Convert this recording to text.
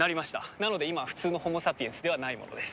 なので今は普通のホモサピエンスではない者です。